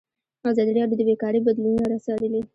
ازادي راډیو د بیکاري بدلونونه څارلي.